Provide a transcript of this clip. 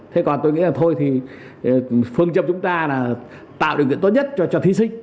thế còn tôi nghĩ là thôi thì phương châm chúng ta là tạo điều kiện tốt nhất cho thí sinh